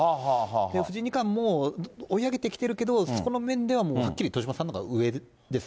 藤井二冠も追い上げてきているけど、そこの面ではもうはっきり豊島さんのほうが上です。